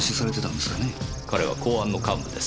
彼は公安の幹部です。